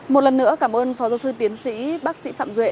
một lần nữa cảm ơn phó giáo sư tiến sĩ bác sĩ phạm duệ